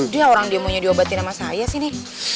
dia orang dia mau diobatin sama saya sini